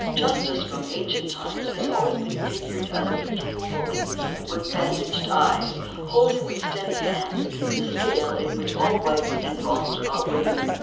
Justice from ancient times has always been figured as a beautiful woman, with bandaged eyes, holding with steady hand the scale in which all rights and wrongs are weighed.